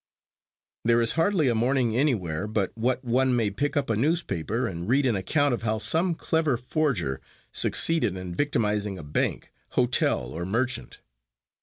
There is hardly a morning anywhere but what one may pick up a newspaper and read an account of how some clever forger succeeded in victimizing a bank, hotel or merchant.